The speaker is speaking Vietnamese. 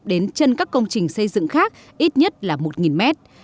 đến chân các công trình xây dựng khác ít nhất là một mét